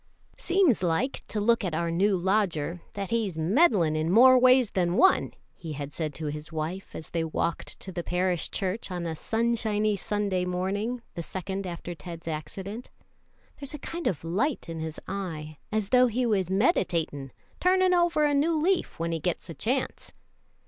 "Seems like, to look at our new lodger, that he's mendin' in more ways than one," he had said to his wife as they walked to the parish church on a sunshiny Sunday morning, the second after Ted's accident. "There's a kind of a light in his eye, as though he was meditatin' turnin' over a new leaf when he gets a chance."